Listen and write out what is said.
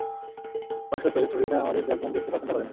স্পষ্টতই, ফ্লোরিডা আমাদের জর্জিয়ানদেরকে পছন্দ করে না।